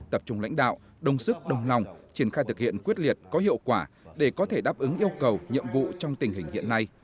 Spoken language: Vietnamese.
tập trung lãnh đạo đồng sức đồng lòng triển khai thực hiện quyết liệt có hiệu quả để có thể đáp ứng yêu cầu nhiệm vụ trong tình hình hiện nay